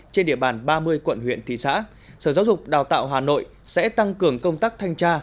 trên địa bàn ba mươi quận huyện thị xã sở giáo dục đào tạo hà nội sẽ tăng cường công tác thanh tra